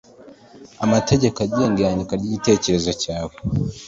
AMATEGEKO AGENGA IYANDIKA RY'IGITEKEREZO CYAWE